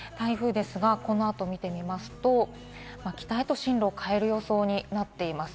この後見てみますと、北へと進路を変える予想になっています。